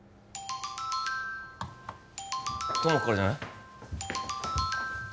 友果からじゃない？